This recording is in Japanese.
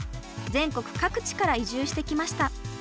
全国各地から移住してきました。